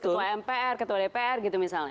ketua mpr ketua dpr gitu misalnya